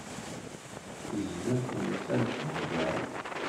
Tezla xemsa n tyuẓaḍ.